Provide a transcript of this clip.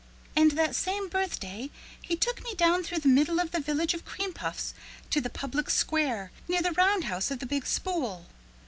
"And that same birthday he took me down through the middle of the Village of Cream Puffs to the public square near the Roundhouse of the Big Spool.